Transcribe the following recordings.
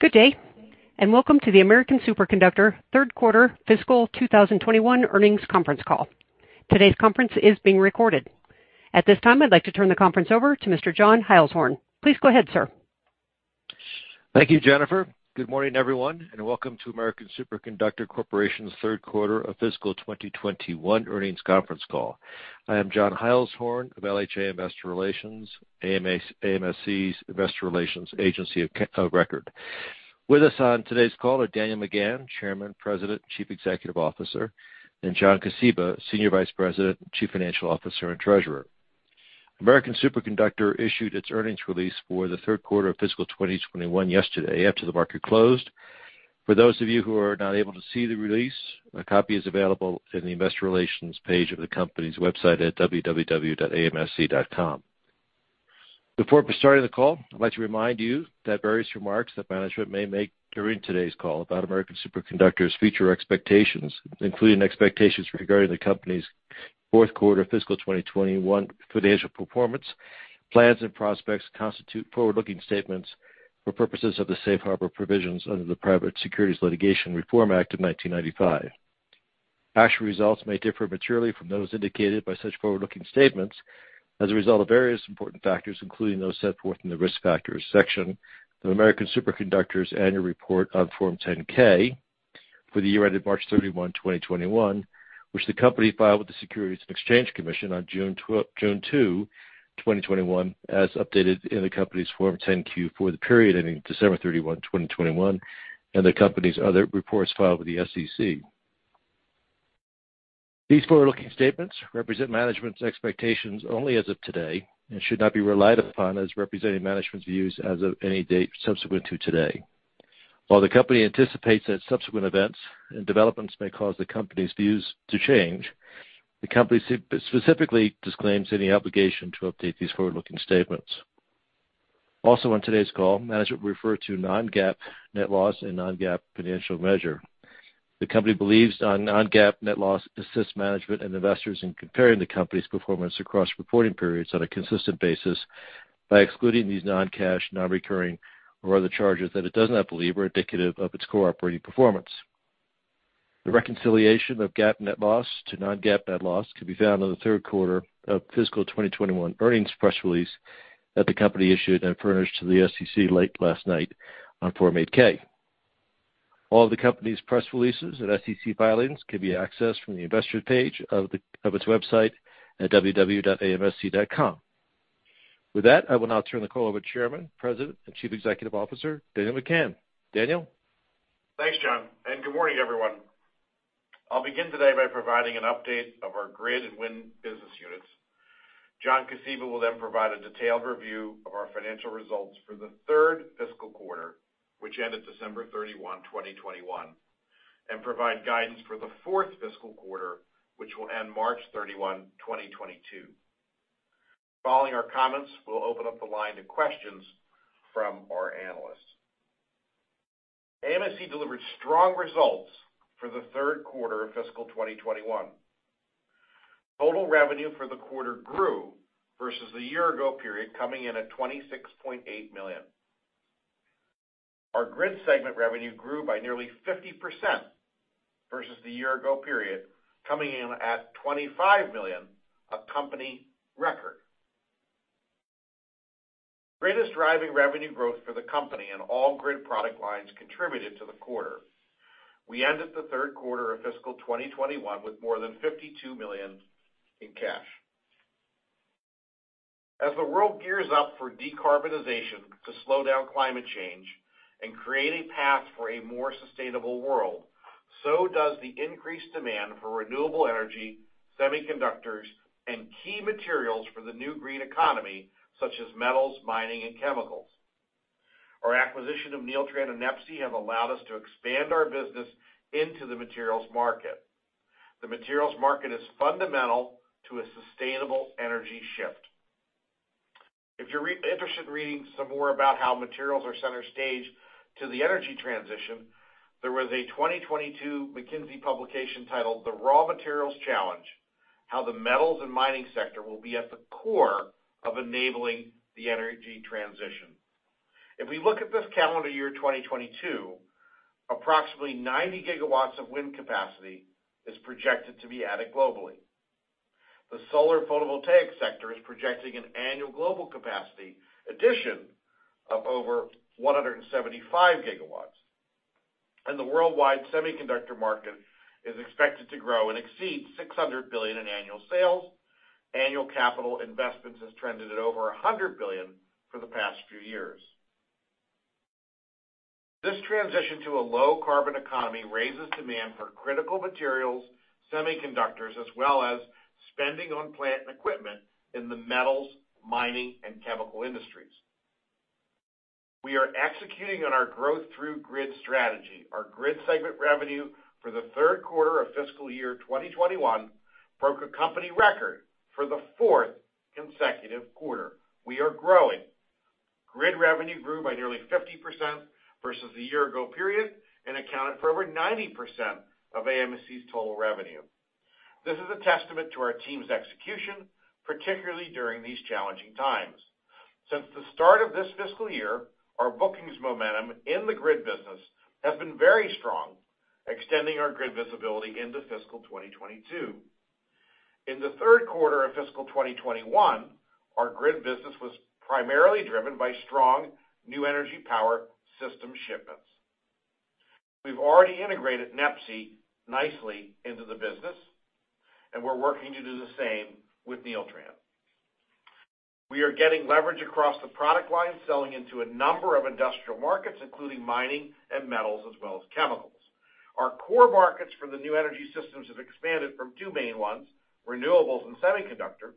Good day, and welcome to the American Superconductor Q3 fiscal 2021 earnings conference call. Today's conference is being recorded. At this time, I'd like to turn the conference over to Mr. John Heilshorn. Please go ahead, sir. Thank you, Jennifer. Good morning, everyone, and welcome to American Superconductor Corporation's Q3 of fiscal 2021 earnings conference call. I am John Heilshorn of LHA Investor Relations, AMSC's investor relations agency of record. With us on today's call are Daniel McGahn, Chairman, President, Chief Executive Officer, and John Kosiba, Senior Vice President, Chief Financial Officer, and Treasurer. American Superconductor issued its earnings release for the Q3 of fiscal 2021 yesterday after the market closed. For those of you who are not able to see the release, a copy is available in the investor relations page of the company's website at www.amsc.com. Before starting the call, I'd like to remind you that various remarks that management may make during today's call about American Superconductor's future expectations, including expectations regarding the company's Q4 fiscal 2021 financial performance, plans, and prospects, constitute forward-looking statements for purposes of the safe harbor provisions under the Private Securities Litigation Reform Act of 1995. Actual results may differ materially from those indicated by such forward-looking statements as a result of various important factors, including those set forth in the Risk Factors section of American Superconductor's annual report on Form 10-K for the year ended March 31, 2021, which the company filed with the Securities and Exchange Commission on June 2, 2021, as updated in the company's Form 10-Q for the period ending December 31, 2021, and the company's other reports filed with the SEC. These forward-looking statements represent management's expectations only as of today and should not be relied upon as representing management's views as of any date subsequent to today. While the company anticipates that subsequent events and developments may cause the company's views to change, the company specifically disclaims any obligation to update these forward-looking statements. Also on today's call, management will refer to non-GAAP net loss and non-GAAP financial measure. The company believes non-GAAP net loss assists management and investors in comparing the company's performance across reporting periods on a consistent basis by excluding these non-cash, non-recurring or other charges that it does not believe are indicative of its core operating performance. The reconciliation of GAAP net loss to non-GAAP net loss can be found on the Q3 of fiscal 2021 earnings press release that the company issued and furnished to the SEC late last night on Form 8-K. All the company's press releases and SEC filings can be accessed from the investor page of its website at www.amsc.com. With that, I will now turn the call over to Chairman, President, and Chief Executive Officer, Daniel McGahn. Daniel? Thanks, John, and good morning, everyone. I'll begin today by providing an update of our Grid and Wind business units. John Kosiba will then provide a detailed review of our financial results for the third fiscal quarter, which ended December 31, 2021, and provide guidance for the fourth fiscal quarter, which will end March 31, 2022. Following our comments, we'll open up the line to questions from our analysts. AMSC delivered strong results for the Q3 of fiscal 2022. Total revenue for the quarter grew versus the year ago period, coming in at $26.8 million. Our Grid segment revenue grew by nearly 50% versus the year ago period, coming in at $25 million, a company record. Grid is driving revenue growth for the company and all Grid product lines contributed to the quarter. We ended the Q3 of fiscal 2021 with more than $52 million in cash. As the world gears up for decarbonization to slow down climate change and create a path for a more sustainable world, so does the increased demand for renewable energy, semiconductors, and key materials for the new green economy, such as metals, mining, and chemicals. Our acquisition of Neeltran and NEPSI have allowed us to expand our business into the materials market. The materials market is fundamental to a sustainable energy shift. If you're interested in reading some more about how materials are center stage to the energy transition, there was a 2022 McKinsey publication titled The raw-materials challenge: How the metals and mining sector will be at the core of enabling the energy transition. If we look at this calendar year, 2022, approximately 90 gigawatts of wind capacity is projected to be added globally. The solar photovoltaic sector is projecting an annual global capacity addition of over 175 gigawatts, and the worldwide semiconductor market is expected to grow and exceed $600 billion in annual sales. Annual capital investments has trended at over $100 billion for the past few years. This transition to a low carbon economy raises demand for critical materials, semiconductors, as well as spending on plant and equipment in the metals, mining, and chemical industries. We are executing on our growth through Grid strategy. Our Grid segment revenue for the Q3 of fiscal year 2021 broke a company record for the fourth consecutive quarter. We are growing. Grid revenue grew by nearly 50% versus the year ago period and accounted for over 90% of AMSC's total revenue. This is a testament to our team's execution, particularly during these challenging times. Since the start of this fiscal year, our bookings momentum in the grid business has been very strong, extending our grid visibility into fiscal 2022. In the Q4 of fiscal 2021, our grid business was primarily driven by strong New Energy Power Systems shipments. We've already integrated NEPSI nicely into the business, and we're working to do the same with Neeltran. We are getting leverage across the product lines, selling into a number of industrial markets, including mining and metals, as well as chemicals. Our core markets for the New Energy Systems have expanded from two main ones, renewables and semiconductor,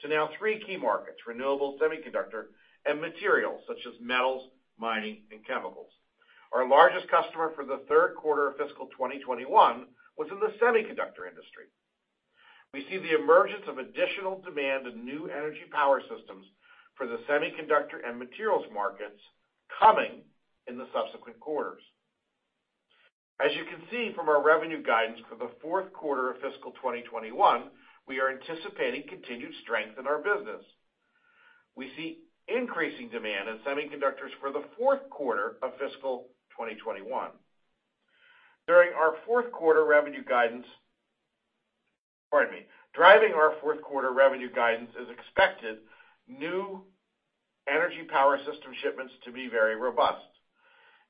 to now three key markets, renewables, semiconductor, and materials such as metals, mining, and chemicals. Our largest customer for the Q3 of fiscal 2021 was in the semiconductor industry. We see the emergence of additional demand in New Energy Power Systems for the semiconductor and materials markets coming in the subsequent quarters. As you can see from our revenue guidance for the Q4 of fiscal 2021, we are anticipating continued strength in our business. We see increasing demand in semiconductors for the Q4 of fiscal 2021. Driving our Q4 revenue guidance is expected New Energy Power System shipments to be very robust.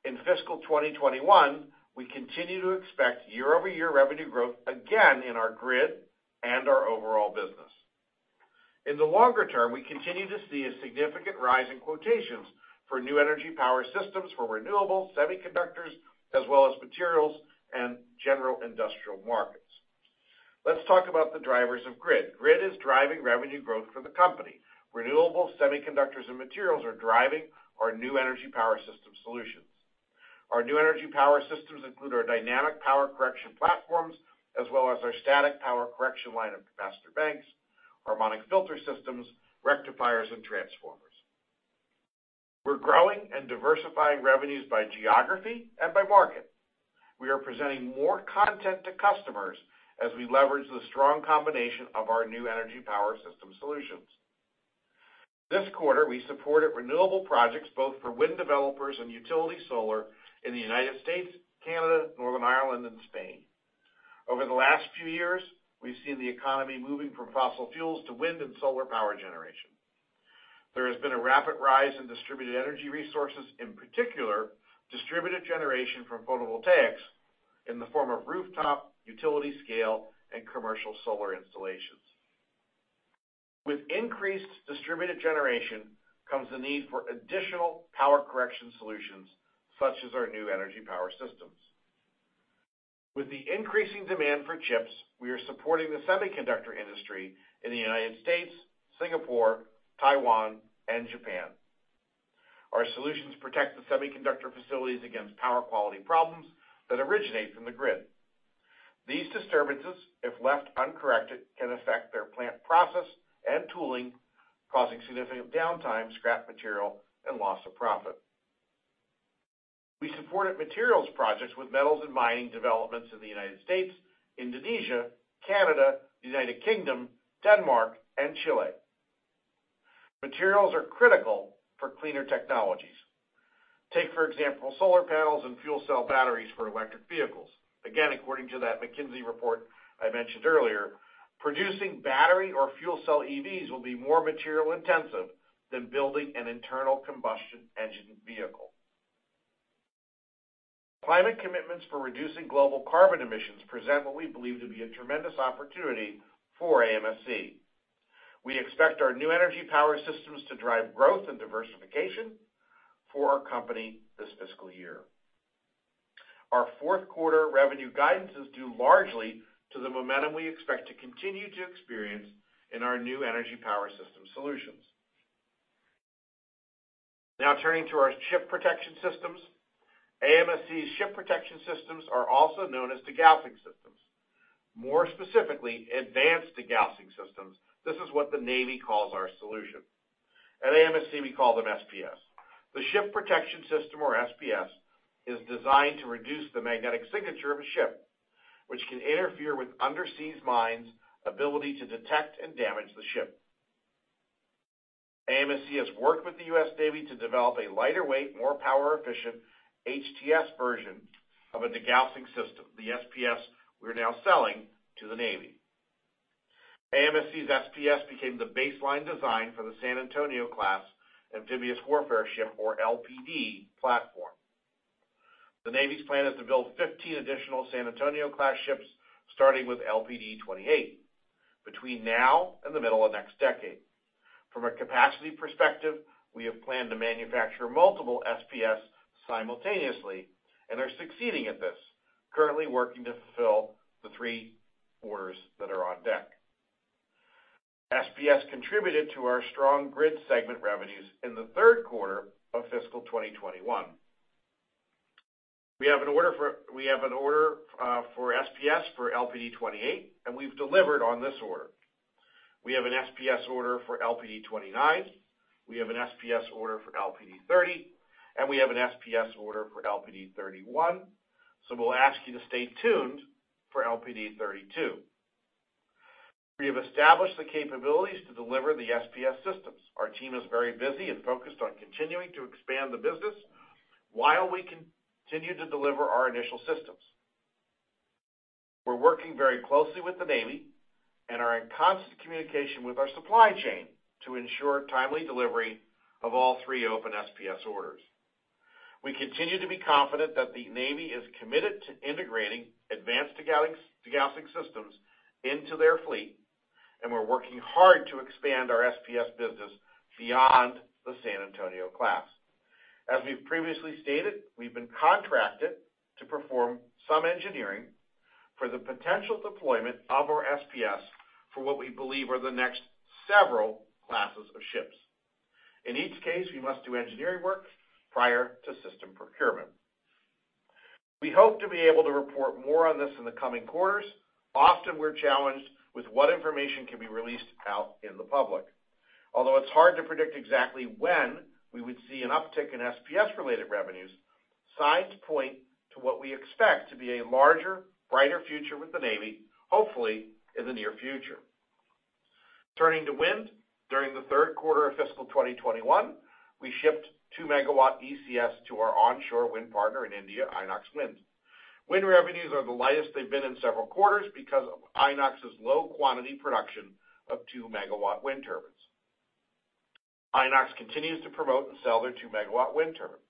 In fiscal 2021, we continue to expect year-over-year revenue growth again in our grid and our overall business. In the longer term, we continue to see a significant rise in quotations for New Energy Power Systems for renewables, semiconductors, as well as materials and general industrial markets. Let's talk about the drivers of grid. Grid is driving revenue growth for the company. Renewables, semiconductors, and materials are driving our New Energy Power Systems solutions. Our New Energy Power Systems include our dynamic power correction platforms as well as our static power correction line of capacitor banks, harmonic filter systems, rectifiers, and transformers. We're growing and diversifying revenues by geography and by market. We are presenting more content to customers as we leverage the strong combination of our New Energy Power Systems solutions. This quarter, we supported renewable projects both for wind developers and utility solar in the United States, Canada, Northern Ireland, and Spain. Over the last few years, we've seen the economy moving from fossil fuels to wind and solar power generation. There has been a rapid rise in distributed energy resources, in particular, distributed generation from photovoltaics in the form of rooftop, utility scale, and commercial solar installations. With increased distributed generation comes the need for additional power correction solutions, such as our New Energy Power Systems. With the increasing demand for chips, we are supporting the semiconductor industry in the United States, Singapore, Taiwan, and Japan. Our solutions protect the semiconductor facilities against power quality problems that originate from the grid. These disturbances, if left uncorrected, can affect their plant process and tooling, causing significant downtime, scrap material, and loss of profit. We supported materials projects with metals and mining developments in the United States, Indonesia, Canada, United Kingdom, Denmark, and Chile. Materials are critical for cleaner technologies. Take, for example, solar panels and fuel cell batteries for electric vehicles. Again, according to that McKinsey report I mentioned earlier, producing battery or fuel cell EVs will be more material-intensive than building an internal combustion engine vehicle. Climate commitments for reducing global carbon emissions present what we believe to be a tremendous opportunity for AMSC. We expect our New Energy Power Systems to drive growth and diversification for our company this fiscal year. Our Q4 revenue guidance is due largely to the momentum we expect to continue to experience in our New Energy Power Systems solutions. Now turning to our Ship Protection Systems. AMSC's Ship Protection Systems are also known as degaussing systems. More specifically, advanced degaussing systems. This is what the Navy calls our solution. At AMSC, we call them SPS. The ship protection system, or SPS, is designed to reduce the magnetic signature of a ship, which can interfere with undersea mines' ability to detect and damage the ship. AMSC has worked with the U.S. Navy to develop a lighter-weight, more power-efficient HTS version of a degaussing system, the SPS we're now selling to the Navy. AMSC's SPS became the baseline design for the San Antonio class amphibious warfare ship, or LPD platform. The Navy's plan is to build 15 additional San Antonio class ships, starting with LPD-28 between now and the middle of next decade. From a capacity perspective, we have planned to manufacture multiple SPS simultaneously and are succeeding at this, currently working to fulfill the three orders that are on deck. SPS contributed to our strong grid segment revenues in the Q3 of fiscal 2021. We have an order for SPS for LPD-28, and we've delivered on this order. We have an SPS order for LPD-29, we have an SPS order for LPD-30, and we have an SPS order for LPD-31. We'll ask you to stay tuned for LPD-32. We have established the capabilities to deliver the SPS systems. Our team is very busy and focused on continuing to expand the business while we continue to deliver our initial systems. We're working very closely with the Navy and are in constant communication with our supply chain to ensure timely delivery of all three open SPS orders. We continue to be confident that the Navy is committed to integrating advanced degaussing systems into their fleet, and we're working hard to expand our SPS business beyond the San Antonio class. As we've previously stated, we've been contracted to perform some engineering for the potential deployment of our SPS for what we believe are the next several classes of ships. In each case, we must do engineering work prior to system procurement. We hope to be able to report more on this in the coming quarters. Often, we're challenged with what information can be released out in the public. Although it's hard to predict exactly when we would see an uptick in SPS-related revenues, signs point to what we expect to be a larger, brighter future with the Navy, hopefully in the near future. Turning to wind, during the Q3 of fiscal 2021, we shipped 2-megawatt ECS to our onshore wind partner in India, Inox Wind. Wind revenues are the lightest they've been in several quarters because of Inox's low quantity production of 2-megawatt wind turbines. Inox continues to promote and sell their 2-MW wind turbine.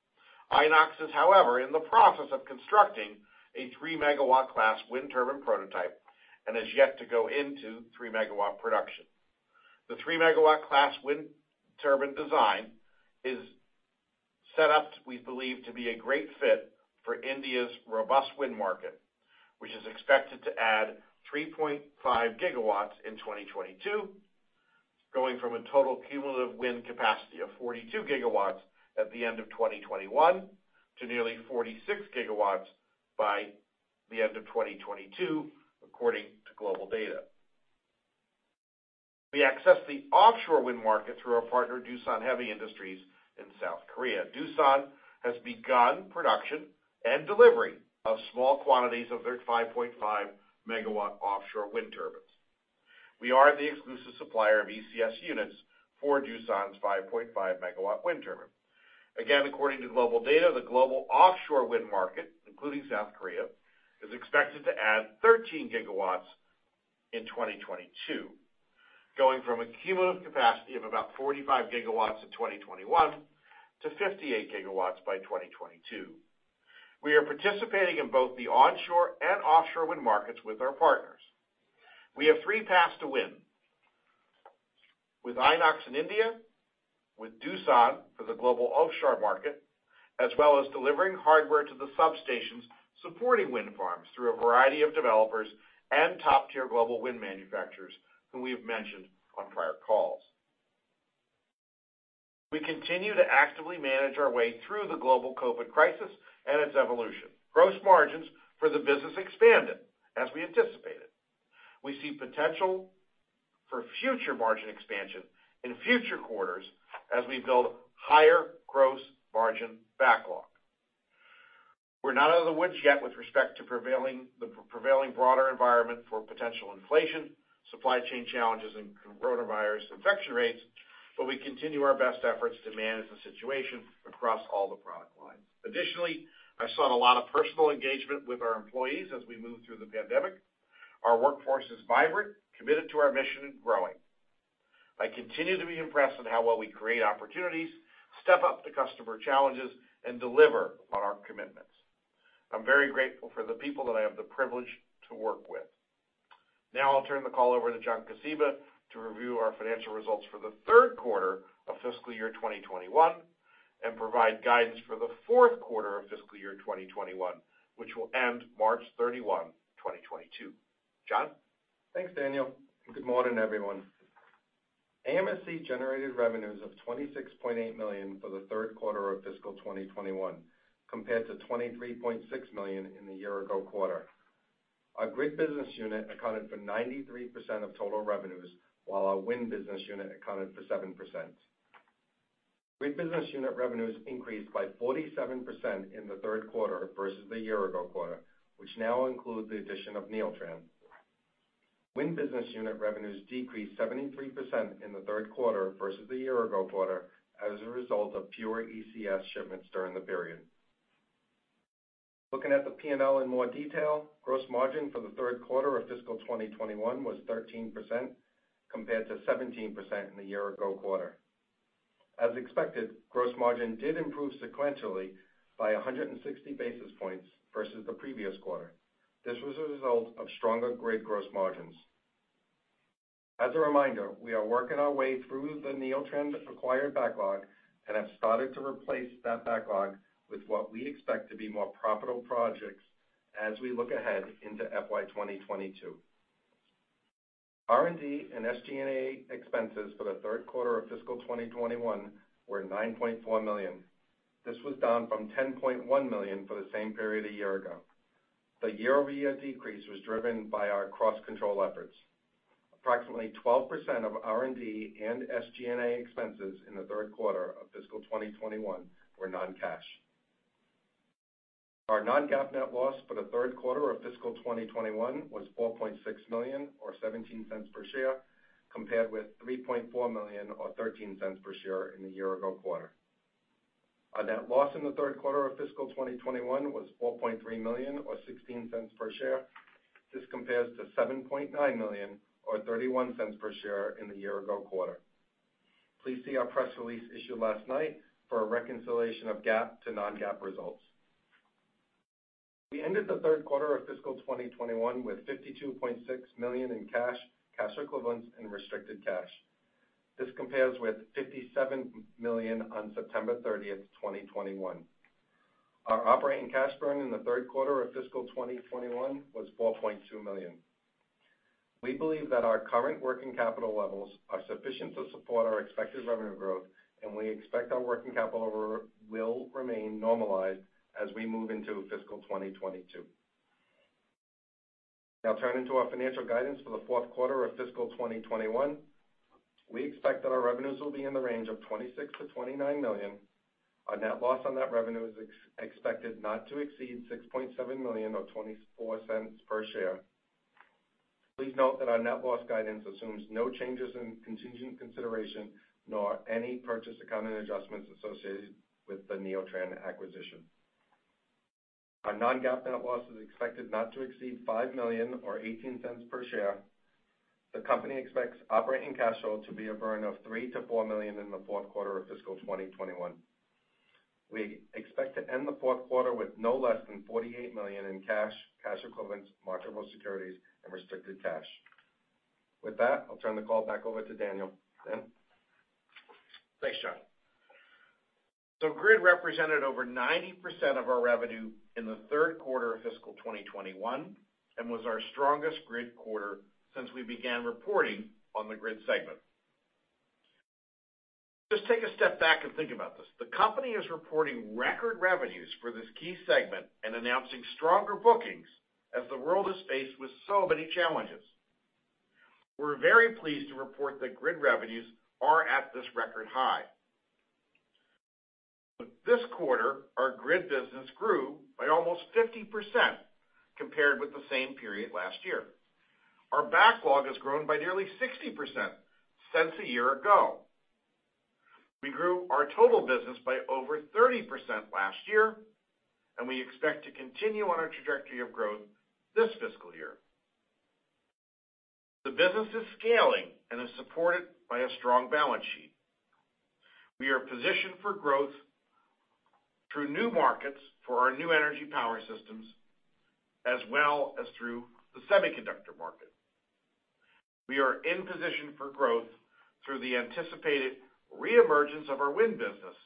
Inox is, however, in the process of constructing a 3-MW class wind turbine prototype and is yet to go into 3-MW production. The 3-MW class wind turbine design is set up, we believe, to be a great fit for India's robust wind market, which is expected to add 3.5 GW in 2022, going from a total cumulative wind capacity of 42 GW at the end of 2021 to nearly 46 GW by the end of 2022, according to GlobalData. We access the offshore wind market through our partner, Doosan Heavy Industries in South Korea. Doosan has begun production and delivery of small quantities of their 5.5-MW offshore wind turbines. We are the exclusive supplier of ECS units for Doosan's 5.5-MW wind turbine. Again, according to GlobalData, the global offshore wind market, including South Korea, is expected to add 13 GW in 2022, going from a cumulative capacity of about 45 GW in 2021 to 58 GW by 2022. We are participating in both the onshore and offshore wind markets with our partners. We have three paths to wind: with Inox wind in India, with Doosan for the global offshore market, as well as delivering hardware to the substations supporting wind farms through a variety of developers and top-tier global wind manufacturers who we have mentioned on prior calls. We continue to actively manage our way through the global COVID crisis and its evolution. Gross margins for the business expanded as we anticipated. We see potential for future margin expansion in future quarters as we build higher gross margin backlog. We're not out of the woods yet with respect to the prevailing broader environment for potential inflation, supply chain challenges, and coronavirus infection rates, but we continue our best efforts to manage the situation across all the product lines. Additionally, I saw a lot of personal engagement with our employees as we moved through the pandemic. Our workforce is vibrant, committed to our mission, and growing. I continue to be impressed on how well we create opportunities, step up to customer challenges, and deliver on our commitments. I'm very grateful for the people that I have the privilege to work with. Now, I'll turn the call over to John Kosiba to review our financial results for the Q3 of fiscal year 2021 and provide guidance for the Q4 of fiscal year 2021, which will end March 31, 2022. John? Thanks, Daniel. Good morning, everyone. AMSC generated revenues of $26.8 million for the Q3 of fiscal 2021 compared to $23.6 million in the year ago quarter. Our Grid business unit accounted for 93% of total revenues, while our Wind business unit accounted for 7%. Grid business unit revenues increased by 47% in the Q3 versus the year ago quarter, which now include the addition of Neeltran. Wind business unit revenues decreased 73% in the Q3 versus the year ago quarter as a result of fewer ECS shipments during the period. Looking at the P&L in more detail, gross margin for the Q3 of fiscal 2021 was 13% compared to 17% in the year ago quarter. As expected, gross margin did improve sequentially by 160 basis points versus the previous quarter. This was a result of stronger Grid gross margins. As a reminder, we are working our way through the Neeltran acquired backlog and have started to replace that backlog with what we expect to be more profitable projects as we look ahead into FY 2022. R&D and SG&A expenses for the Q3 of fiscal 2021 were $9.4 million. This was down from $10.1 million for the same period a year ago. The year-over-year decrease was driven by our cost-control efforts. Approximately 12% of R&D and SG&A expenses in the Q3 of fiscal 2021 were non-cash. Our non-GAAP net loss for the Q3 of fiscal 2021 was $4.6 million or $0.17 per share compared with $3.4 million or $0.13 per share in the year ago quarter. Our net loss in the Q3 of fiscal 2021 was $4.3 million or $0.16 per share. This compares to $7.9 million or $0.31 per share in the year ago quarter. Please see our press release issued last night for a reconciliation of GAAP to non-GAAP results. We ended the Q3 of fiscal 2021 with $52.6 million in cash equivalents, and restricted cash. This compares with $57 million on September 30, 2021. Our operating cash burn in the Q3 of fiscal 2021 was $4.2 million. We believe that our current working capital levels are sufficient to support our expected revenue growth, and we expect our working capital will remain normalized as we move into fiscal 2022. Now turning to our financial guidance for the Q4 of fiscal 2021. We expect that our revenues will be in the range of $26 million-$29 million. Our net loss on that revenue is expected not to exceed $6.7 million or $0.24 per share. Please note that our net loss guidance assumes no changes in contingent consideration, nor any purchase accounting adjustments associated with the Neeltran acquisition. Our non-GAAP net loss is expected not to exceed $5 million or $0.18 per share. The company expects operating cash flow to be a burn of $3 million-$4 million in the Q4 of fiscal 2021. We expect to end the Q4 with no less than $48 million in cash equivalents, marketable securities, and restricted cash. With that, I'll turn the call back over to Daniel. Dan? Thanks, John. Grid represented over 90% of our revenue in the Q3 of fiscal 2021, and was our strongest Grid quarter since we began reporting on the Grid segment. Just take a step back and think about this. The company is reporting record revenues for this key segment and announcing stronger bookings as the world is faced with so many challenges. We're very pleased to report that Grid revenues are at this record high. This quarter, our Grid business grew by almost 50% compared with the same period last year. Our backlog has grown by nearly 60% since a year ago. We grew our total business by over 30% last year, and we expect to continue on our trajectory of growth this fiscal year. The business is scaling and is supported by a strong balance sheet. We are positioned for growth through new markets for our New Energy Power Systems, as well as through the semiconductor market. We are in position for growth through the anticipated reemergence of our wind business,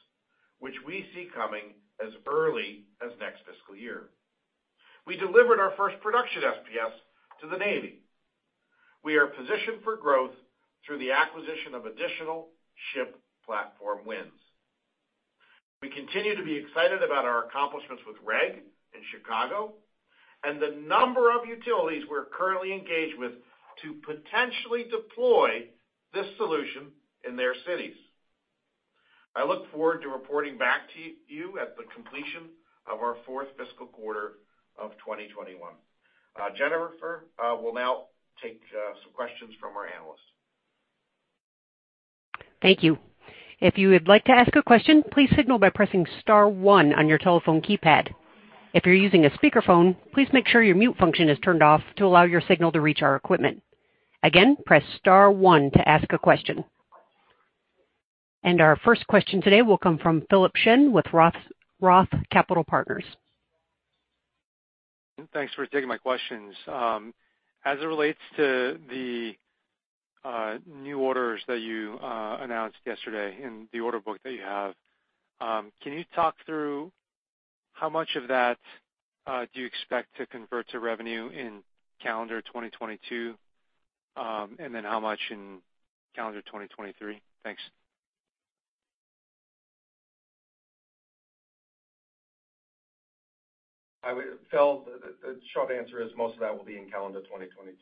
which we see coming as early as next fiscal year. We delivered our first production SPS to the Navy. We are positioned for growth through the acquisition of additional ship platform wins. We continue to be excited about our accomplishments with REG in Chicago and the number of utilities we're currently engaged with to potentially deploy this solution in their cities. I look forward to reporting back to you at the completion of our fourth fiscal quarter of 2021. Jennifer will now take some questions from our analysts. Thank you. If you would like to ask a question, please signal by pressing star one on your telephone keypad. If you're using a speakerphone, please make sure your mute function is turned off to allow your signal to reach our equipment. Again, press star one to ask a question. Our first question today will come from Philip Shen with Roth Capital Partners. Thanks for taking my questions. As it relates to the new orders that you announced yesterday and the order book that you have, can you talk through how much of that do you expect to convert to revenue in calendar 2022? How much in calendar 2023? Thanks. Phil, the short answer is most of that will be in calendar 2022.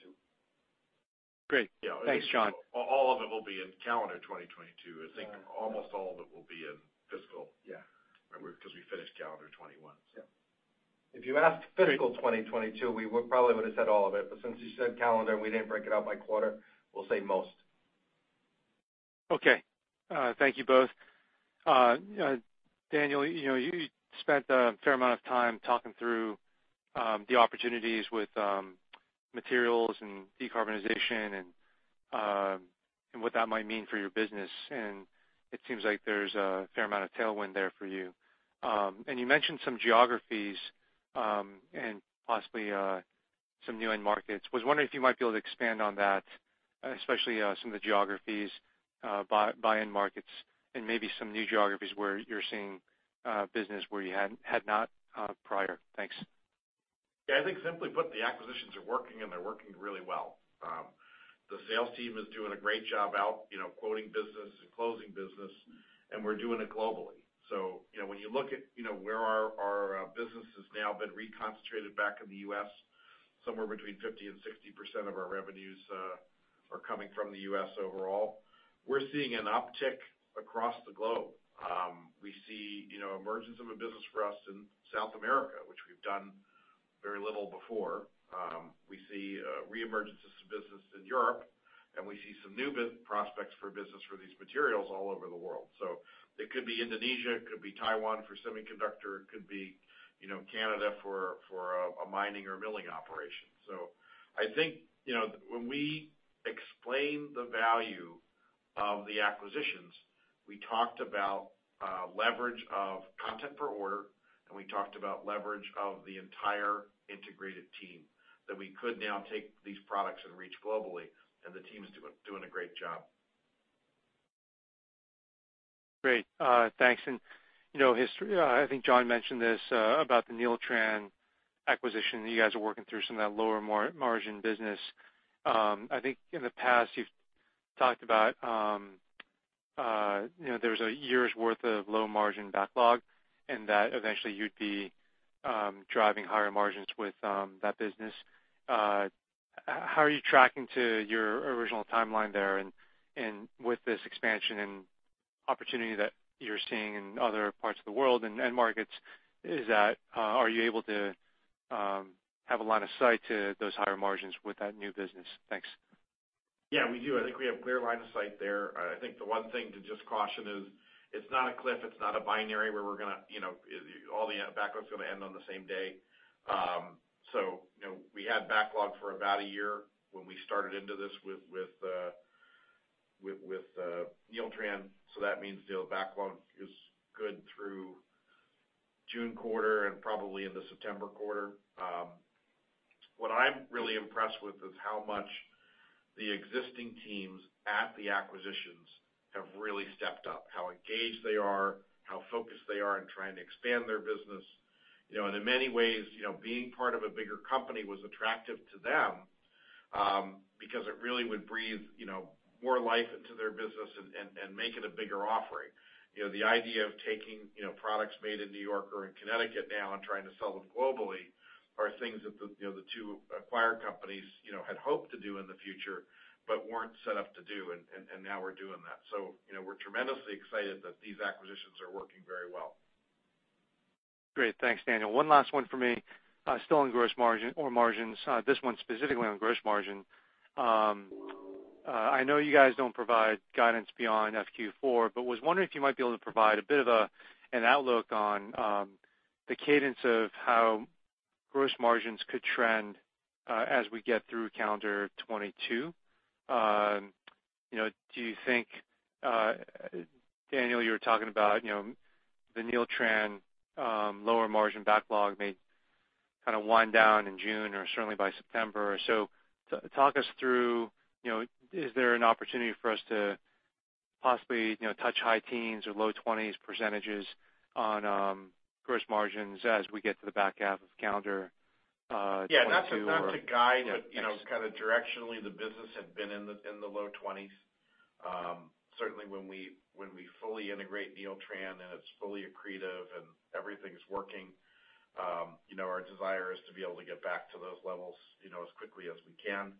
Great. Yeah. Thanks, John. All of it will be in calendar 2022. I think almost all of it will be in fiscal- Yeah. We're because we finished calendar 2021, so. Yeah. If you asked fiscal 2022, we would probably would've said all of it, but since you said calendar and we didn't break it out by quarter, we'll say most. Okay. Thank you both. You know, Daniel, you know, you spent a fair amount of time talking through the opportunities with materials and decarbonization and what that might mean for your business. It seems like there's a fair amount of tailwind there for you. You mentioned some geographies and possibly some new end markets. Was wondering if you might be able to expand on that, especially some of the geographies, buy-in markets and maybe some new geographies where you're seeing business where you hadn't prior. Thanks. Yeah. I think simply put, the acquisitions are working, and they're working really well. The sales team is doing a great job, you know, quoting business and closing business, and we're doing it globally. You know, when you look at where our business has now been reconcentrated back in the U.S., somewhere between 50%-60% of our revenues are coming from the U.S. overall. We're seeing an uptick across the globe. We see emergence of a business for us in South America, which we've done very little before. We see re-emergence of business in Europe, and we see some new prospects for business for these materials all over the world. It could be Indonesia, it could be Taiwan for semiconductor, it could be, you know, Canada for a mining or milling operation. I think, you know, when we explain the value of the acquisitions, we talked about leverage of content per order, and we talked about leverage of the entire integrated team, that we could now take these products and reach globally, and the team is doing a great job. Great. Thanks. I think John mentioned this about the Neeltran acquisition. You guys are working through some of that lower margin business. I think in the past you've talked about, you know, there's a year's worth of low-margin backlog and that eventually you'd be driving higher margins with that business. How are you tracking to your original timeline there? With this expansion and opportunity that you're seeing in other parts of the world and end markets, are you able to have a line of sight to those higher margins with that new business? Thanks. Yeah, we do. I think we have clear line of sight there. I think the one thing to just caution is it's not a cliff, it's not a binary where we're gonna, you know, all the backlog is gonna end on the same day. You know, we had backlog for about a year when we started into this with Neeltran. That means the backlog is good through June quarter and probably into September quarter. What I'm really impressed with is how much the existing teams at the acquisitions have really stepped up, how engaged they are, how focused they are in trying to expand their business. You know, in many ways, you know, being part of a bigger company was attractive to them, because it really would breathe, you know, more life into their business and make it a bigger offering. You know, the idea of taking, you know, products made in New York or in Connecticut now and trying to sell them globally are things that the, you know, the two acquired companies, you know, had hoped to do in the future but weren't set up to do. Now we're doing that. You know, we're tremendously excited that these acquisitions are working very well. Great. Thanks, Daniel. One last one for me, still on gross margin or margins. This one specifically on gross margin. I know you guys don't provide guidance beyond FQ4, but was wondering if you might be able to provide a bit of an outlook on the cadence of how gross margins could trend as we get through calendar 2022. You know, do you think, Daniel, you were talking about, you know, the Neeltran lower margin backlog may kind of wind down in June or certainly by September. So talk us through, you know, is there an opportunity for us to possibly, you know, touch high teens or low 20s% on gross margins as we get to the back half of calendar 2022 or- Yeah, that's not a guide, but you know, kind of directionally, the business had been in the low $20 millions. Certainly when we fully integrate Neeltran and it's fully accretive and everything's working, you know, our desire is to be able to get back to those levels, you know, as quickly as we can.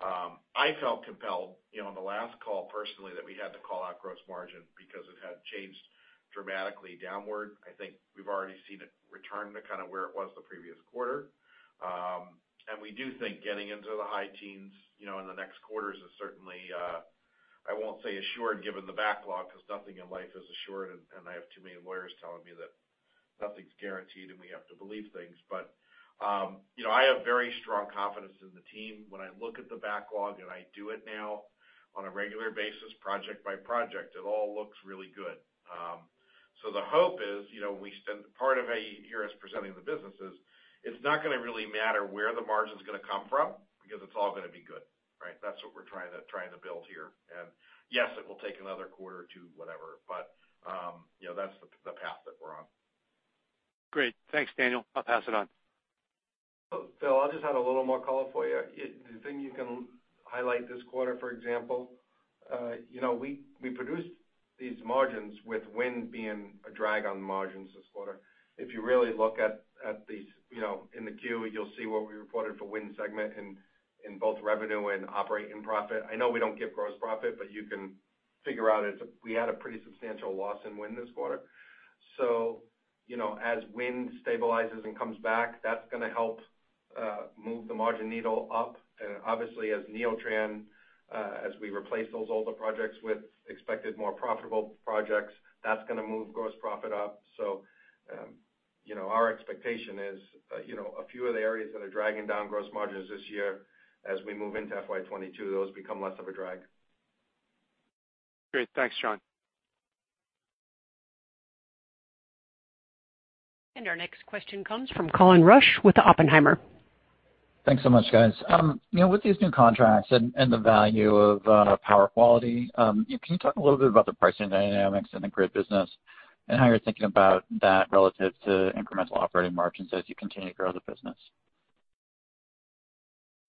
I felt compelled, you know, on the last call personally, that we had to call out gross margin because it had changed dramatically downward. I think we've already seen it return to kind of where it was the previous quarter. We do think getting into the high teens%, you know, in the next quarters is certainly, I won't say assured, given the backlog, 'cause nothing in life is assured, and I have too many lawyers telling me that nothing's guaranteed and we have to believe things. You know, I have very strong confidence in the team. When I look at the backlog, and I do it now on a regular basis, project by project, it all looks really good. The hope is, you know, we spend part of a year presenting the businesses. It's not gonna really matter where the margin's gonna come from because it's all gonna be good, right? That's what we're trying to build here. Yes, it will take another quarter or two, whatever, but you know, that's the path that we're on. Great. Thanks, Daniel. I'll pass it on. Philip, I'll just add a little more color for you. The thing you can highlight this quarter, for example, you know, we produced these margins with wind being a drag on margins this quarter. If you really look at these, you know, in the 10-Q, you'll see what we reported for wind segment in both revenue and operating profit. I know we don't give gross profit, but you can figure out we had a pretty substantial loss in wind this quarter. You know, as wind stabilizes and comes back, that's gonna help move the margin needle up. Obviously, as Neeltran, as we replace those older projects with expected more profitable projects, that's gonna move gross profit up. you know, our expectation is, you know, a few of the areas that are dragging down gross margins this year, as we move into FY 2022, those become less of a drag. Great. Thanks, John. Our next question comes from Colin Rusch with Oppenheimer. Thanks so much, guys. You know, with these new contracts and the value of power quality, can you talk a little bit about the pricing dynamics in the grid business and how you're thinking about that relative to incremental operating margins as you continue to grow the business?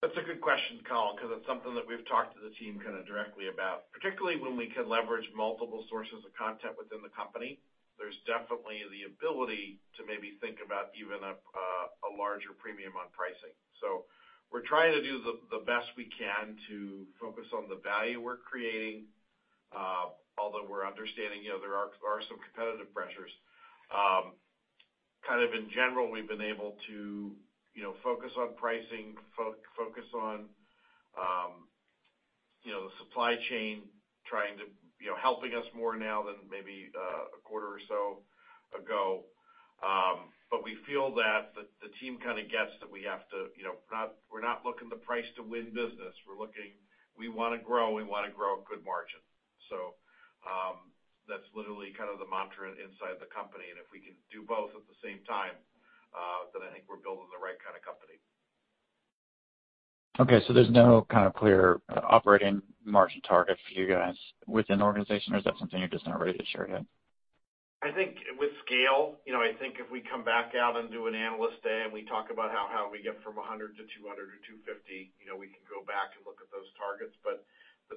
That's a good question, Colin, 'cause it's something that we've talked to the team kinda directly about, particularly when we can leverage multiple sources of content within the company. There's definitely the ability to maybe think about even a larger premium on pricing. We're trying to do the best we can to focus on the value we're creating, although we're understanding, you know, there are some competitive pressures. Kind of in general, we've been able to, you know, focus on pricing, focus on, you know, the supply chain trying to help us more now than maybe a quarter or so ago. We feel that the team kinda gets that we have to, you know, we're not looking to price to win business. We wanna grow a good margin. That's literally kind of the mantra inside the company. If we can do both at the same time, then I think we're building the right kind of company. Okay, there's no kind of clear operating margin target for you guys within the organization, or is that something you're just not ready to share yet? I think with scale, you know, I think if we come back out and do an analyst day, and we talk about how we get from 100 to 200 or 250, you know, we can go back and look at those targets. The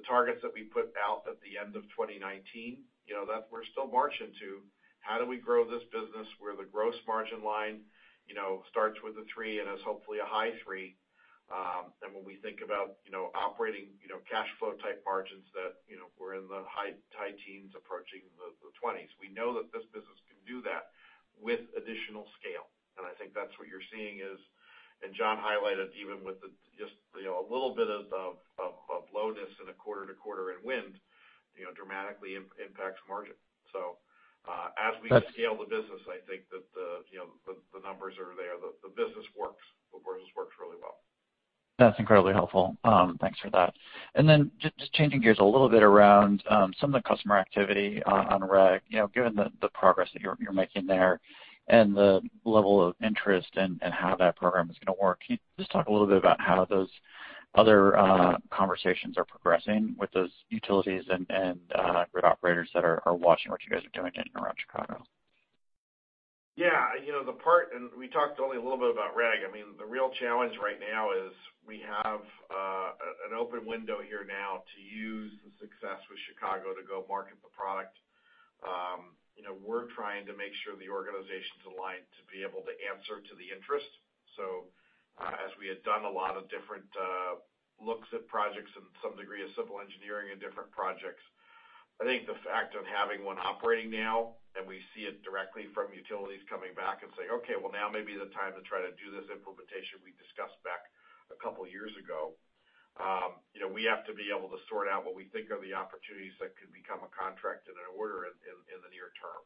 targets that we put out at the end of 2019, you know, that we're still marching to. How do we grow this business where the gross margin line, you know, starts with a 30% and is hopefully a high 30%. When we think about, you know, operating, you know, cash flow type margins that, you know, we're in the high teens approaching the 20s. We know that this business can do that with additional scale. I think that's what you're seeing is. John highlighted even with the just, you know, a little bit of lowness in a quarter to quarter in wind, you know, dramatically impacts margin. As we scale the business, I think that the, you know, the numbers are there. The business works. The business works really well. That's incredibly helpful. Thanks for that. Then just changing gears a little bit around some of the customer activity on REG. You know, given the progress that you're making there and the level of interest and how that program is gonna work, can you just talk a little bit about how those other conversations are progressing with those utilities and grid operators that are watching what you guys are doing in and around Chicago? Yeah, you know, we talked only a little bit about REG. I mean, the real challenge right now is we have an open window here now to use the success with Chicago to go market the product. You know, we're trying to make sure the organization's aligned to be able to answer to the interest. As we had done a lot of different looks at projects and some degree of civil engineering and different projects, I think the fact of having one operating now, and we see it directly from utilities coming back and saying, "Okay, well, now may be the time to try to do this implementation we discussed back a couple years ago." You know, we have to be able to sort out what we think are the opportunities that could become a contract and an order in the near term.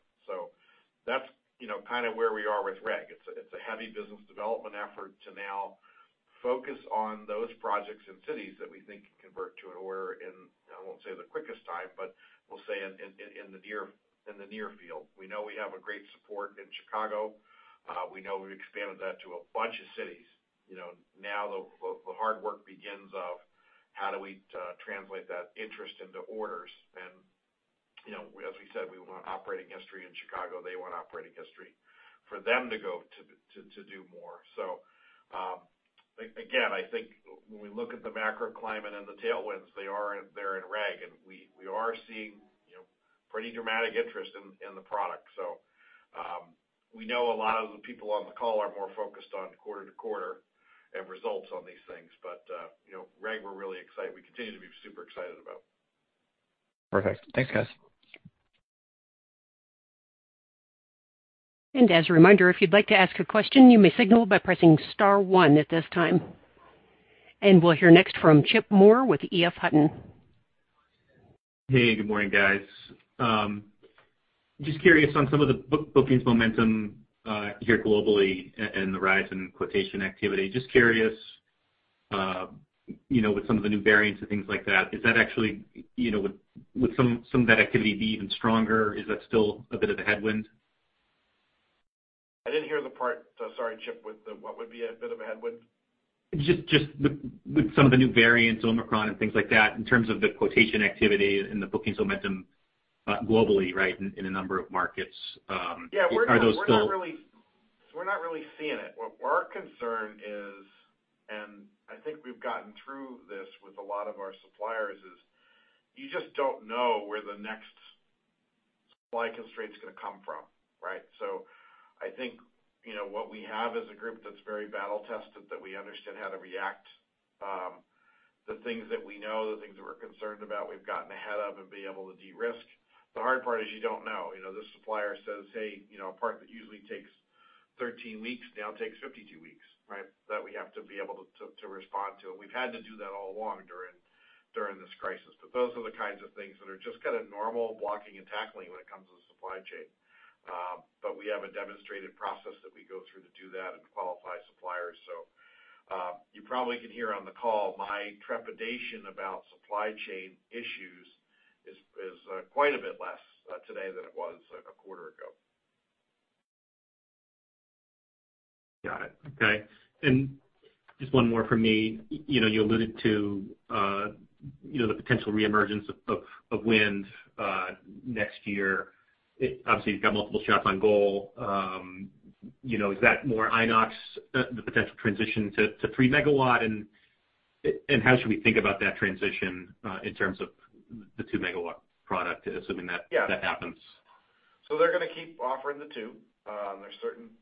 That's, you know, kind of where we are with REG. It's a heavy business development effort to now focus on those projects and cities that we think can convert to an order. I won't say the quickest time, but we'll say in the near field. We know we have great support in Chicago. We know we've expanded that to a bunch of cities. You know, now the hard work begins of how do we translate that interest into orders. You know, as we said, we want operating history in Chicago. They want operating history for them to go to do more. Again, I think when we look at the macro climate and the tailwinds, they are there in REG. We are seeing you know, pretty dramatic interest in the product. We know a lot of the people on the call are more focused on quarter to quarter and results on these things. You know, REG, we're really excited. We continue to be super excited about. Perfect. Thanks, guys. As a reminder, if you'd like to ask a question, you may signal by pressing star one at this time. We'll hear next from Chip Moore with EF Hutton. Hey, good morning, guys. Just curious on some of the bookings momentum here globally and the rise in quotation activity. Just curious, you know, with some of the new variants and things like that, is that actually, you know, would some of that activity be even stronger? Is that still a bit of a headwind? I didn't hear the part, sorry, Chip, with the, what would be a bit of a headwind. Just with some of the new variants, Omicron and things like that, in terms of the quotation activity and the bookings momentum, globally, right, in a number of markets, are those still? Yeah, we're not really seeing it. Our concern is, and I think we've gotten through this with a lot of our suppliers, is you just don't know where the next supply constraint's gonna come from, right? I think, you know, what we have is a group that's very battle tested, that we understand how to react. The things that we know, the things that we're concerned about, we've gotten ahead of and been able to de-risk. The hard part is you don't know. You know, the supplier says, "Hey, you know, a part that usually takes 13 weeks now takes 52 weeks," right? That we have to be able to respond to. We've had to do that all along during this crisis. Those are the kinds of things that are just kinda normal blocking and tackling when it comes to supply chain. We have a demonstrated process that we go through to do that and qualify suppliers. You probably can hear on the call my trepidation about supply chain issues is quite a bit less today than it was a quarter ago. Got it. Okay. Just one more from me. You know, you alluded to. You know, the potential reemergence of wind next year. It obviously you've got multiple shots on goal. You know, is that more Inox, the potential transition to 3-MW? How should we think about that transition in terms of the 2-MW product, assuming that- Yeah. that happens? They're gonna keep offering the two. There's certain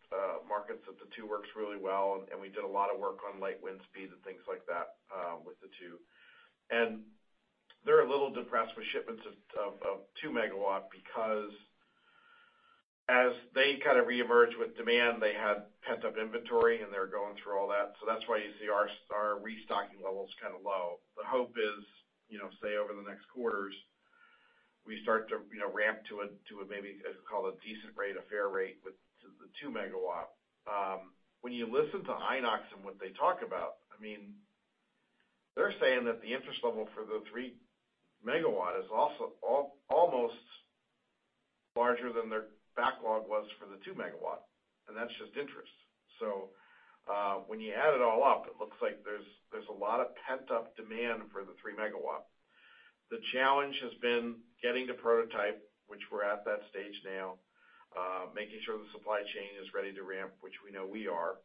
markets that the 2 works really well and we did a lot of work on light wind speeds and things like that with the 2. They're a little depressed with shipments of 2 MW because as they kind of reemerge with demand, they had pent-up inventory, and they're going through all that. That's why you see our restocking level is kind of low. The hope is, you know, say, over the next quarters, we start to, you know, ramp to a maybe call a decent rate, a fair rate with the 2 MW. When you listen to Inox and what they talk about, I mean, they're saying that the interest level for the 3-megawatt is almost larger than their backlog was for the 2-megawatt, and that's just interest. When you add it all up, it looks like there's a lot of pent-up demand for the 3-megawatt. The challenge has been getting the prototype, which we're at that stage now, making sure the supply chain is ready to ramp, which we know we are.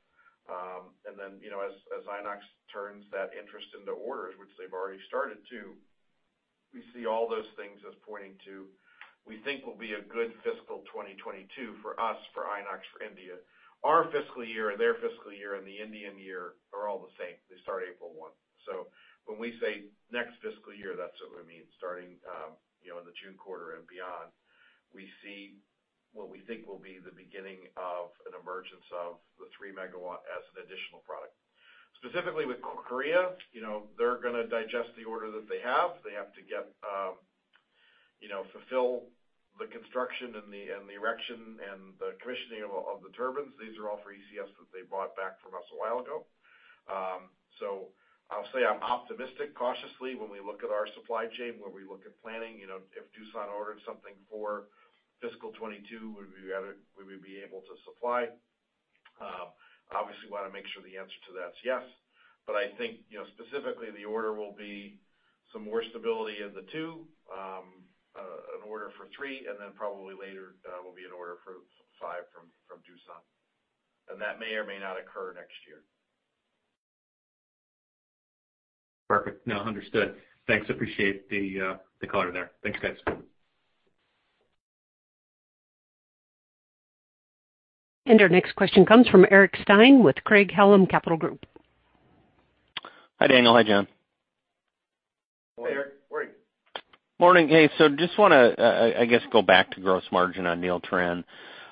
And then, you know, as Inox turns that interest into orders, which they've already started to, we see all those things as pointing to we think will be a good fiscal 2022 for us, for Inox, for India. Our fiscal year, their fiscal year, and the Indian year are all the same. They start April 1. When we say next fiscal year, that's what we mean, starting, you know, in the June quarter and beyond, we see what we think will be the beginning of an emergence of the 3-megawatt as an additional product. Specifically with Korea, you know, they're gonna digest the order that they have. They have to get, you know, fulfill the construction and the erection and the commissioning of the turbines. These are all for ECS that they bought back from us a while ago. I'll say I'm optimistic cautiously when we look at our supply chain, when we look at planning, you know, if Doosan ordered something for fiscal 2022, would we be able to supply? Obviously wanna make sure the answer to that is yes. I think, you know, specifically the order will be some more stability in the two, an order for three, and then probably later, will be an order for 5 from Doosan. That may or may not occur next year. Perfect. No, understood. Thanks. Appreciate the color there. Thanks, guys. Our next question comes from Eric Stine with Craig-Hallum Capital Group. Hi, Daniel. Hi, John. Hey, Eric. Morning. Morning. Hey, just wanna, I guess, go back to gross margin on Neeltran.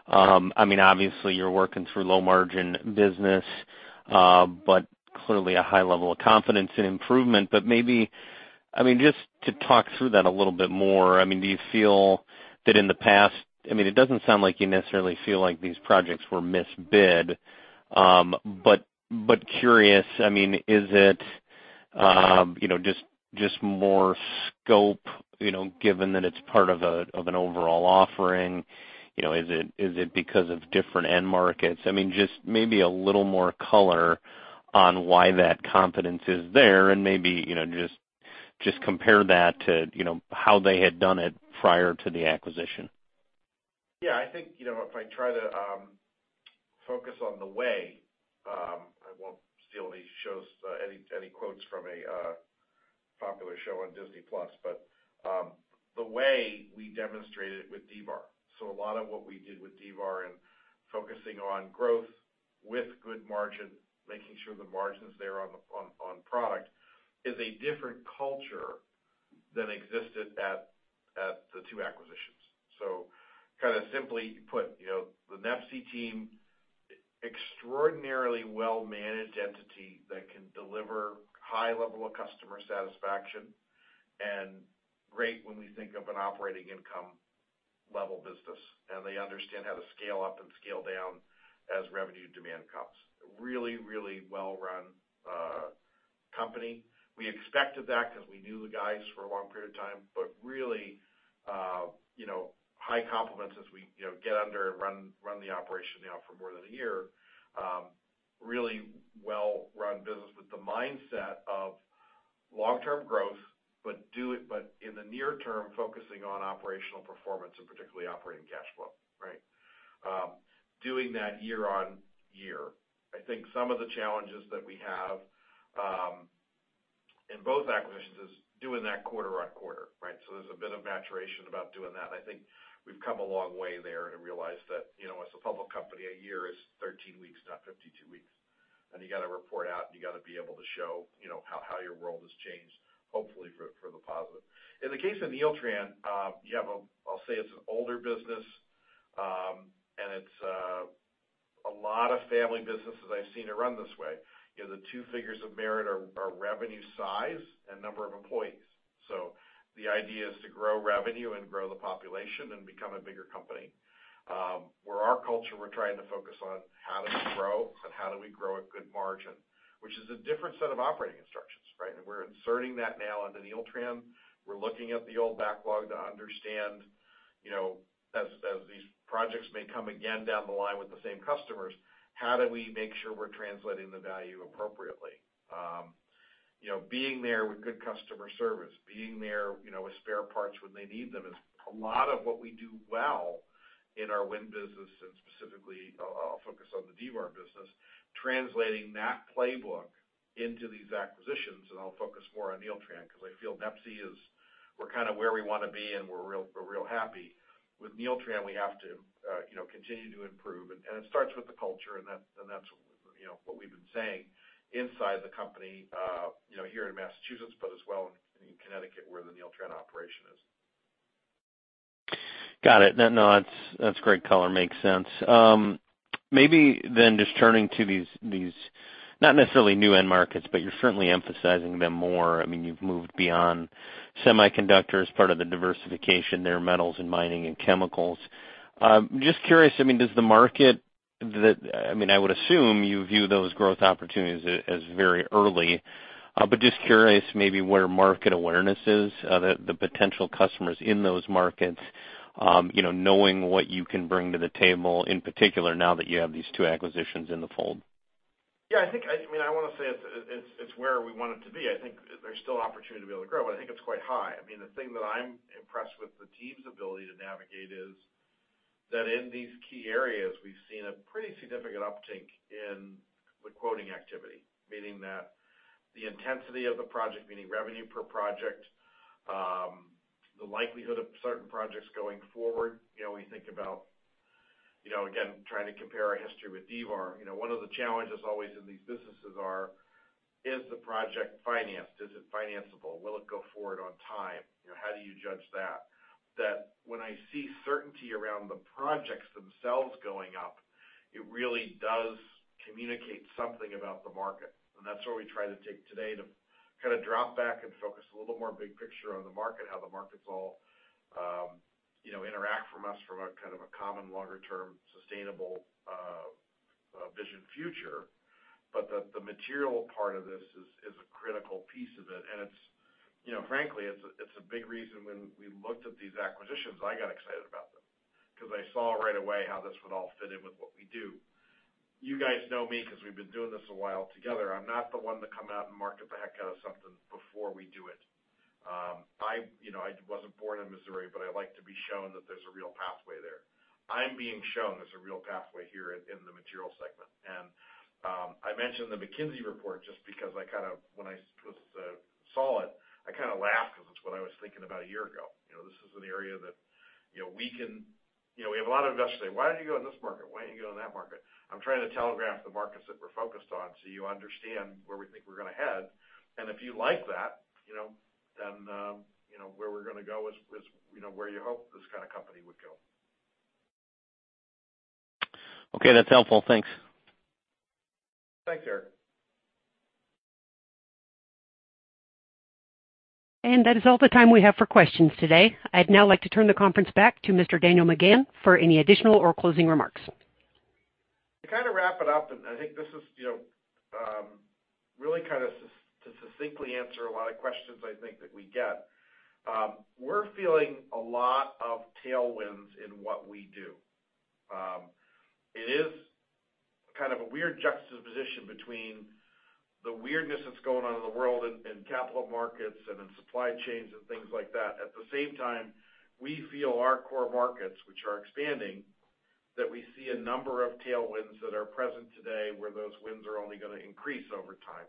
I mean, obviously you're working through low margin business, but clearly a high level of confidence and improvement. Maybe, I mean, just to talk through that a little bit more, I mean, do you feel that in the past I mean, it doesn't sound like you necessarily feel like these projects were misbid, but curious, I mean, is it, you know, just more scope, you know, given that it's part of an overall offering? You know, is it because of different end markets? I mean, just maybe a little more color on why that confidence is there and maybe, you know, just compare that to, you know, how they had done it prior to the acquisition. Yeah, I think, you know, if I try to focus on the way I won't steal these shows any quotes from a popular show on Disney+, but the way we demonstrated it with D-VAR. A lot of what we did with D-VAR and focusing on growth with good margin, making sure the margin's there on the product is a different culture than existed at the two acquisitions. Kind of simply put, you know, the NEPSI team, extraordinarily well-managed entity that can deliver high level of customer satisfaction and great when we think of an operating income level business, and they understand how to scale up and scale down as revenue demand comes. Really well-run company. We expected that 'cause we knew the guys for a long period of time. Really, you know, high compliments as we, you know, get under and run the operation now for more than a year. Really well-run business with the mindset of long-term growth, but in the near term, focusing on operational performance and particularly operating cash flow, right? Doing that year-over-year. I think some of the challenges that we have in both acquisitions is doing that quarter-over-quarter, right? So there's a bit of maturation about doing that. I think we've come a long way there to realize that, you know, as a public company, a year is 13 weeks, not 52 weeks. You gotta report out and you gotta be able to show, you know, how your world has changed, hopefully for the positive. In the case of Neeltran, I'll say it's an older business, and it's a lot of family businesses I've seen are run this way, you know, the two figures of merit are revenue size and number of employees. The idea is to grow revenue and grow the population and become a bigger company. Where our culture, we're trying to focus on how do we grow and how do we grow at good margin, which is a different set of operating instructions, right? We're inserting that now into Neeltran. We're looking at the old backlog to understand, you know, as these projects may come again down the line with the same customers, how do we make sure we're translating the value appropriately? You know, being there with good customer service, being there, you know, with spare parts when they need them is a lot of what we do well in our wind business and specifically, I'll focus on the D-VAR business, translating that playbook into these acquisitions, and I'll focus more on Neeltran 'cause I feel NEPSI is, we're kinda where we wanna be, and we're real happy. With Neeltran, we have to, you know, continue to improve, and it starts with the culture, and that's, you know, what we've been saying inside the company, you know, here in Massachusetts, but as well in Connecticut, where the Neeltran operation is. Got it. No, no, that's great color. Makes sense. Maybe just turning to these not necessarily new end markets, but you're certainly emphasizing them more. I mean, you've moved beyond semiconductors, part of the diversification there, metals and mining and chemicals. Just curious, I mean, does the market, I mean, I would assume you view those growth opportunities as very early, but just curious maybe where market awareness is, the potential customers in those markets, you know, knowing what you can bring to the table in particular now that you have these two acquisitions in the fold. Yeah. I think, I mean, I wanna say it's where we want it to be. I think there's still opportunity to be able to grow, but I think it's quite high. I mean, the thing that I'm impressed with the team's ability to navigate is that in these key areas, we've seen a pretty significant uptick in the quoting activity, meaning that the intensity of the project, meaning revenue per project, the likelihood of certain projects going forward. You know, when you think about, you know, again, trying to compare our history with D-VAR, you know, one of the challenges always in these businesses is the project financed? Is it financeable? Will it go forward on time? You know, how do you judge that? That, when I see certainty around the projects themselves going up, it really does communicate something about the market. That's where we try to take today to kinda drop back and focus a little more big picture on the market, how the markets all, you know, interact from us from a kind of a common longer-term, sustainable, vision future. The material part of this is a critical piece of it, and it's, you know, frankly, it's a big reason when we looked at these acquisitions, I got excited about them 'cause I saw right away how this would all fit in with what we do. You guys know me 'cause we've been doing this a while together. I'm not the one to come out and market the heck out of something before we do it. I, you know, I wasn't born in Missouri, but I like to be shown that there's a real pathway there. I'm being shown there's a real pathway here in the materials segment. I mentioned the McKinsey report just because when I saw it, I kinda laughed because it's what I was thinking about a year ago. You know, this is an area that you know we can you know we have a lot of investors say, "Why don't you go in this market? Why don't you go in that market?" I'm trying to telegraph the markets that we're focused on, so you understand where we think we're gonna head. If you like that, you know then you know where we're gonna go is you know where you hope this kinda company would go. Okay. That's helpful. Thanks. Thanks, Eric. That is all the time we have for questions today. I'd now like to turn the conference back to Mr. Daniel McGahn for any additional or closing remarks. To kinda wrap it up, and I think this is, you know, really kind of to succinctly answer a lot of questions I think that we get, we're feeling a lot of tailwinds in what we do. It is kind of a weird juxtaposition between the weirdness that's going on in the world in capital markets and in supply chains and things like that. At the same time, we feel our core markets, which are expanding, that we see a number of tailwinds that are present today where those winds are only gonna increase over time.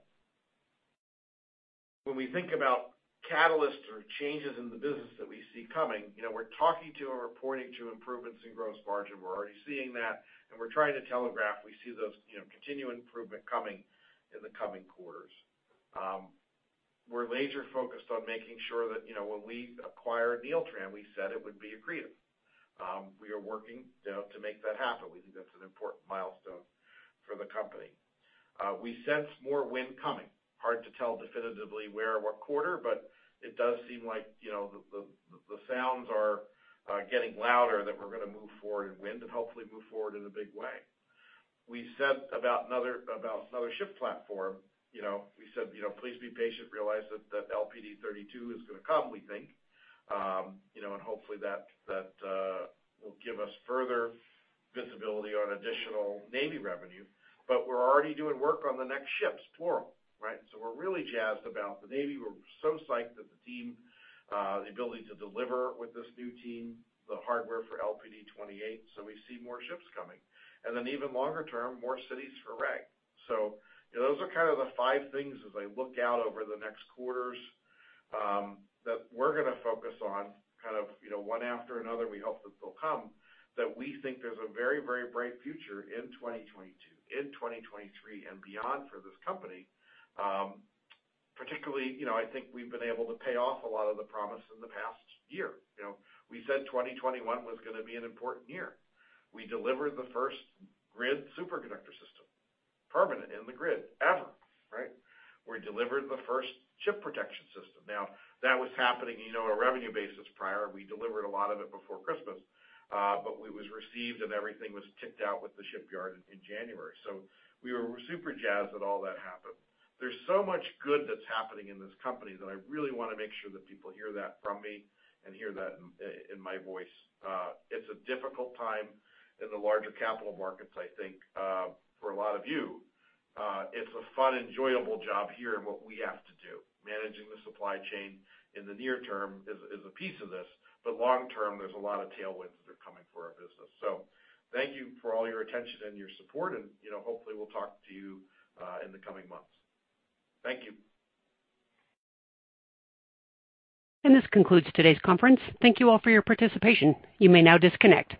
When we think about catalysts or changes in the business that we see coming, you know, we're talking about or reporting on improvements in gross margin. We're already seeing that, and we're trying to telegraph. We see those, you know, continued improvement coming in the coming quarters. We're laser-focused on making sure that, you know, when we acquired Neeltran, we said it would be accretive. We are working, you know, to make that happen. We think that's an important milestone for the company. We sense more wind coming. Hard to tell definitively where or what quarter, but it does seem like, you know, the sounds are getting louder that we're gonna move forward in wind and hopefully move forward in a big way. We said about another ship platform, you know, we said, you know, please be patient, realize that the LPD 32 is gonna come, we think. You know, and hopefully that will give us further visibility on additional Navy revenue. We're already doing work on the next ships plural, right? We're really jazzed about the Navy. We're so psyched that the team, the ability to deliver with this new team, the hardware for LPD 28, so we see more ships coming. Then even longer term, more cities for REG. You know, those are kind of the five things as I look out over the next quarters, that we're gonna focus on kind of, you know, one after another. We hope that they'll come, that we think there's a very, very bright future in 2022, in 2023, and beyond for this company. Particularly, you know, I think we've been able to pay off a lot of the promise in the past year. You know, we said 2021 was gonna be an important year. We delivered the first grid superconductor system, permanent in the grid ever, right? We delivered the first ship protection system. Now, that was happening, you know, on a revenue basis prior. We delivered a lot of it before Christmas, but it was received, and everything was ticked out with the shipyard in January. We were super jazzed that all that happened. There's so much good that's happening in this company that I really wanna make sure that people hear that from me and hear that in my voice. It's a difficult time in the larger capital markets, I think, for a lot of you. It's a fun, enjoyable job here in what we have to do. Managing the supply chain in the near term is a piece of this, but long term, there's a lot of tailwinds that are coming for our business. Thank you for all your attention and your support, and, you know, hopefully, we'll talk to you in the coming months. Thank you. This concludes today's conference. Thank you all for your participation. You may now disconnect.